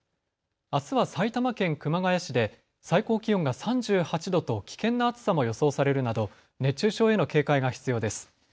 あすは埼玉県熊谷市で最高気温が３８度と危険な暑さも予想されるなど熱中症への警戒が必要です。